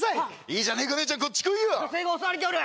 いいじゃねえかねえちゃんこっち来いよ女性が襲われている！